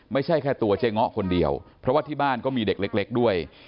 ไม่ใช่แค่ตัวเจ๊ง้อคนเดียวเพราะว่าที่บ้านก็มีเด็กเล็กด้วย